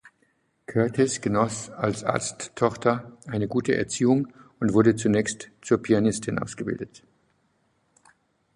Curtis genoss als Arzttochter eine gute Erziehung und wurde zunächst zur Pianistin ausgebildet.